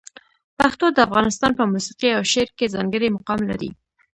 پښتو د افغانستان په موسیقي او شعر کې ځانګړی مقام لري.